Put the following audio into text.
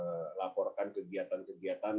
untuk melaporkan kegiatan kegiatan